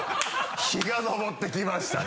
「日が昇ってきましたね」